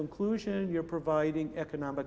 anda memberikan kesempatan ekonomi